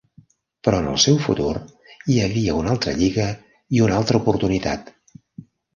Però en el seu futur hi havia una altra lliga i una altra oportunitat.